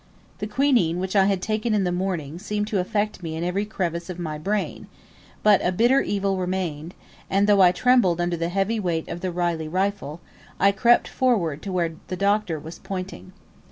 The quinine which I had taken in the morning seemed to affect me in every crevice of my brain; but a bitter evil remained, and, though I trembled under the heavy weight of the Reilly rifle, I crept forward to where the Doctor was pointing.